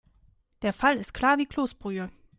Der Fall ist klar wie Kloßbrühe.